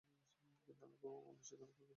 কিন্তু আমি গুণশেখর কোল্লিয়াপ্পান।